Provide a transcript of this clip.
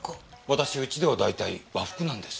私うちでは大体和服なんです。